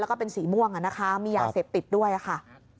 แล้วก็เป็นสีม่วงนะคะมียาเสพติดด้วยค่ะ